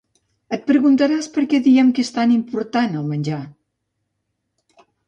Et preguntaràs per què diem que és tan important el menjar.